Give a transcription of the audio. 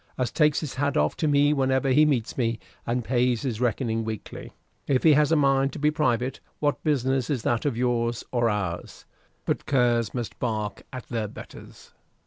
as takes his hat off to me whenever he meets me, and pays his reckoning weekly. If he has a mind to be private, what business is that of yours, or ours? But curs must bark at their betters."